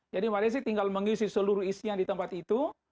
jadi mbak desi tinggal mengisi seluruh isian di tempat itu